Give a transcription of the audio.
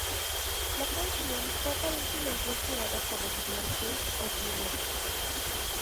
La canción fue aparentemente inspirada por los Small Faces o T-Rex.